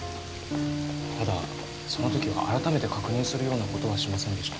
ただその時は改めて確認するような事はしませんでした。